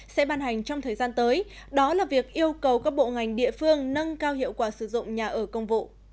sẽ ban hành trong thời gian tới đó là việc yêu cầu các bộ ngành địa phương nâng cao hiệu quả sử dụng nhà ở công vụ